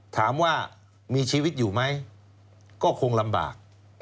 ถามว่ามีชีวิตอยู่ไหมก็คงลำบาก